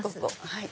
はい。